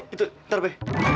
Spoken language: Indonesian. itu bentar be